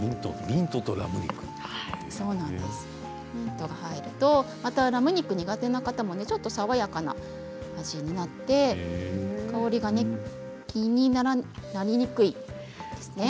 ミントが入るとラム肉苦手な方もちょっと爽やかな味になって香りが気になりにくいですね。